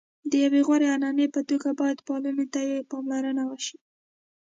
د یوې غوره عنعنې په توګه باید پالنې ته یې پاملرنه وشي.